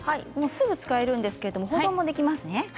すぐ使えるんですが保存もできますね。